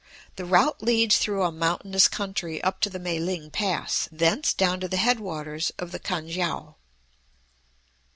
The route leads through a mountainous country up to the Mae ling Pass, thence down to the head waters of the Kan kiang.